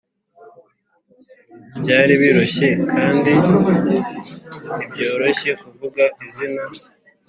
byari byoroshye kandi ntibyoroshye kuvuga izina.